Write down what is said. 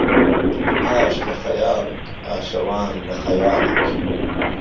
ئاش له خهیاڵێک ، ئاشهوان له خهیاڵێک